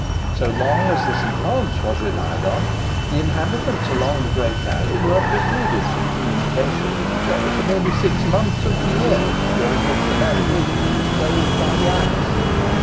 So long as the St. Lawrence was relied upon, the inhabitants along the Great Valley were precluded from communication with each other for nearly six months of the year, during which the navigation was closed by the ice.